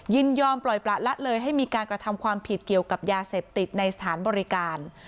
ยินยอมปล่อยประละเลยให้มีการกระทำความผิดเกี่ยวกับยาเสพติดในสถานบริการ